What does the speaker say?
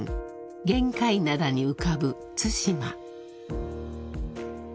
玄界灘に浮かぶ対馬］